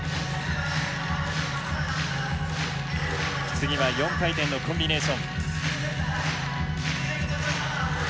次は４回転のコンビネーション。